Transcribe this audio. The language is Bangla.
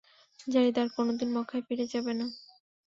যারীদ আর কোনদিন মক্কায় ফিরে যাবে না।